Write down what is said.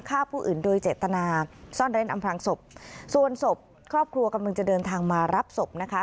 ฆ่าผู้อื่นโดยเจตนาซ่อนเร้นอำพลังศพส่วนศพครอบครัวกำลังจะเดินทางมารับศพนะคะ